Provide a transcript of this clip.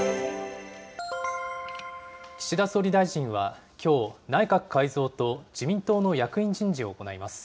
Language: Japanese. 岸田総理大臣はきょう、内閣改造と自民党の役員人事を行います。